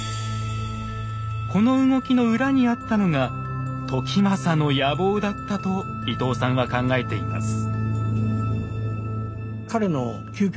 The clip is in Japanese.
この動きの裏にあったのが時政の野望だったと伊藤さんは考えています。